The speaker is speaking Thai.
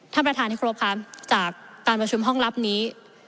ท่านประธานที่ครบครับจากการประชุมห้องลับนี้